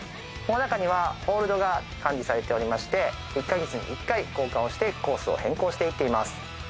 この中にはホールドが管理されておりまして１か月に１回交換をしてコースを変更していっています